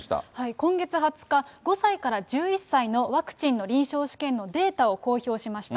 今月２０日、５歳から１１歳のワクチンの臨床試験のデータを公表しました。